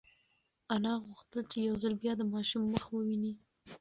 انا غوښتل چې یو ځل بیا د ماشوم مخ وویني.